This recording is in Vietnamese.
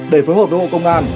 để phối hợp với bộ công an